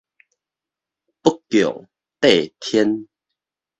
不共戴天